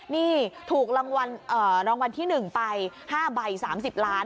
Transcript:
นี่ถูกรางวัลที่๑ไป๕ใบ๓๐ล้าน